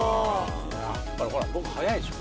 やっぱりほら僕はやいでしょ？